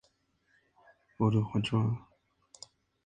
A la mañana, el vigía de guardia del fuerte oyó cañonazos dando la alarma.